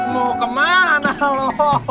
mau kemana lu